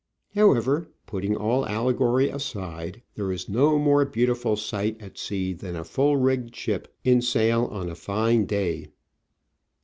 However, putting all allegory aside, there is no more beautiful sight at sea than a full rigged ship in sail on a fine day.